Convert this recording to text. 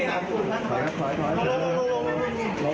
ยังไม่มีฝ่ายกล้อง